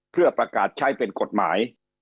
เพื่อประกาศใช้เป็นกฎหมาย